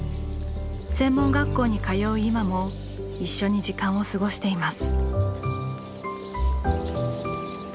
専門学校に通う今も一緒に時間を過ごしています。